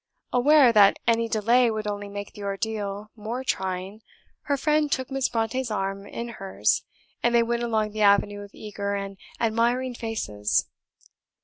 Aware that any delay would only make the ordeal more trying, her friend took Miss Brontë's arm in hers, and they went along the avenue of eager and admiring faces.